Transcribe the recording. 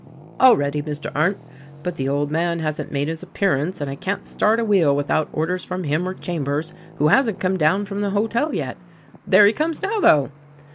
"All ready, Mr. Arndt, but the old man hasn't made his appearance and I can't start a wheel without orders from him or Chambers — who hasn't come down from the hotel yet. There he comes now, though!"